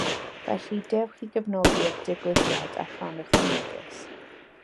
Felly dewch i gefnogi'r digwyddiad a rhannwch y neges